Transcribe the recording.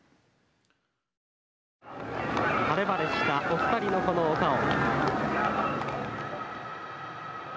「晴れ晴れしたお二人のこのお顔」。